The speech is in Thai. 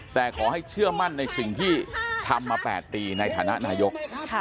แต่ขอให้เชื่อมั่นในสิ่งที่ทำมา๘ปีในฐานะนายก